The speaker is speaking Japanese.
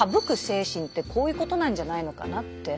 精神ってこういうことなんじゃないのかなって。